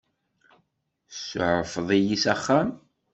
Tsuɛfeḍ-iyi s axxam.